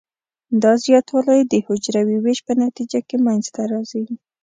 دا زیاتوالی د حجروي ویش په نتیجه کې منځ ته راځي.